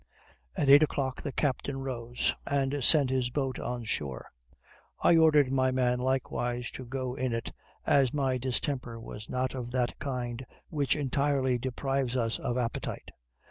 At eight o 'clock the captain rose, and sent his boat on shore. I ordered my man likewise to go in it, as my distemper was not of that kind which entirely deprives us of appetite.